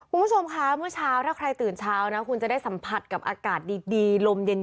คุณผู้ชมคะเมื่อเช้าถ้าใครตื่นเช้านะคุณจะได้สัมผัสกับอากาศดีลมเย็น